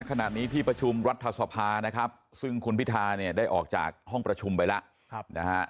ขณะนี้ที่ประชุมรัฐสภานะครับซึ่งคุณพิธาเนี่ยได้ออกจากห้องประชุมไปแล้วนะฮะ